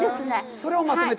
それをまとめた。